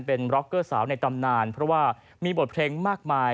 เป็นร็อกเกอร์สาวในตำนานเพราะว่ามีบทเพลงมากมาย